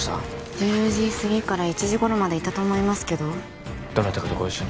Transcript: １０時すぎから１時頃までいたと思いますけどどなたかとご一緒に？